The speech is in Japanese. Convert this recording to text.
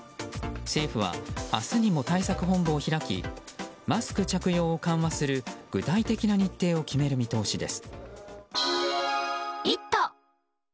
政府は明日にも対策本部を開きマスク着用を緩和する具体的な日程を決める見通しです。